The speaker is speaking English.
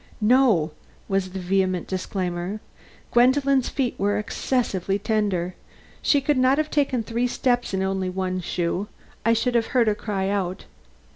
"No," was the vehement disclaimer. "Gwendolen's feet were excessively tender. She could not have taken three steps in only one shoe. I should have heard her cry out."